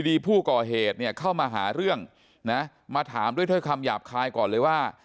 ดีผู้ก่อเหตุเนี่ยเข้ามาหาเรื่องนะมาถามด้วยถ้อยคำหยาบคายก่อนเลยว่า